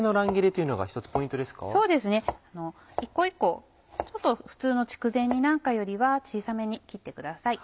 そうですね一個一個普通の筑前煮なんかよりは小さめに切ってください。